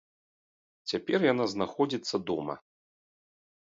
Цяпер яна знаходзіцца дома.